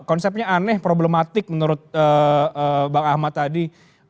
konsepnya aneh problematik menurut bang ahmad tadi